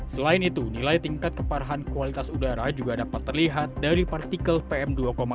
selain itu nilai tingkat keparahan kualitas udara juga dapat terlihat dari partikel pm dua lima